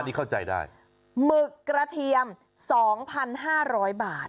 นี่เข้าใจได้หมึกกระเทียม๒๕๐๐บาท